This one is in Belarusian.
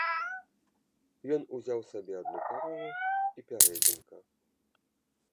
Ён узяў сабе адну карову і пярэзімка.